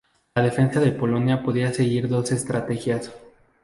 La defensa de Polonia podía seguir dos estrategias.